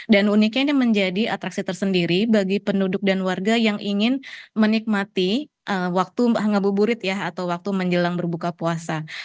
dan uniknya ini menjadi atraksi tersendiri bagi penduduk dan warga yang ingin menikmati waktu mengabur burit ya atau waktu menjelang berbuka puasa